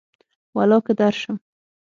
ولاکه درشم